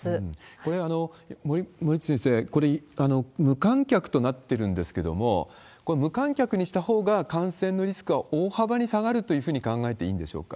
これは森内先生、これ、無観客となっているんですけれども、これ、無観客にしたほうが感染のリスクは大幅に下がるというふうに考えていいんでしょうか？